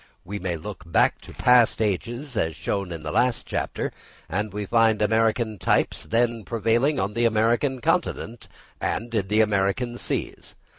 We may look back to past ages, as shown in the last chapter, and we find American types then prevailing on the American continent and in the American seas.